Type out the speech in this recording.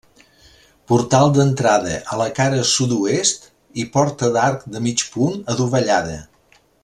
Portal d'entrada, a la cara sud-oest i porta d'arc de mig punt adovellada.